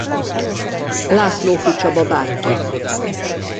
Lászlóffy Csaba bátyja.